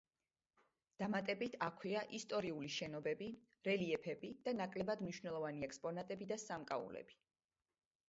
დამატებით აქვეა ისტორიული შენობები, რელიეფები და ნაკლებად მნიშვნელოვანი ექსპონატები და სამკაულები.